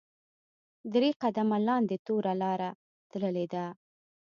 درې قدمه لاندې توره لاره تللې ده.